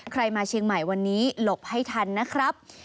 มาเชียงใหม่วันนี้หลบให้ทันนะครับ